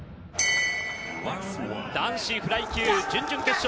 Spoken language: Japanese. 「男子フライ級準々決勝。